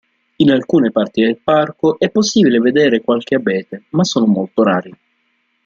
In alcune parti del parco è possibile vedere qualche abete ma sono molto rari.